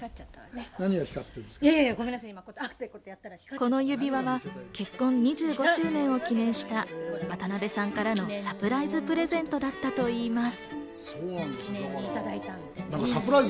この指輪は結婚２５周年を記念した渡辺さんからのサプライズプレゼントだったといいます。